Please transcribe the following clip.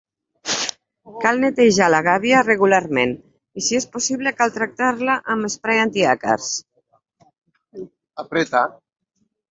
Cal netejar la gàbia regularment, i si es possible cal tractar-la amb esprai antiàcars.